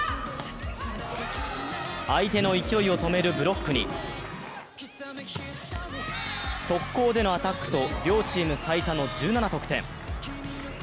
相手の勢いを止めるブロックに、速攻でのアタックと、両チーム最多の１７得点。